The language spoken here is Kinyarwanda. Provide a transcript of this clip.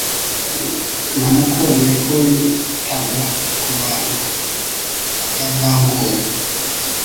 Namukundiye ko yitaga ku bantu atavangura.